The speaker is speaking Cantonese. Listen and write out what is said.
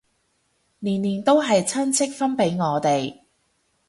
年年都係親戚分俾我哋